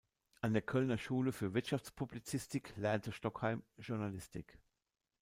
An der Kölner Schule für Wirtschaftspublizistik lernte Stockheim Journalistik.